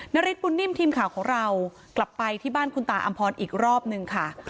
ฤทธบุญนิ่มทีมข่าวของเรากลับไปที่บ้านคุณตาอำพรอีกรอบนึงค่ะ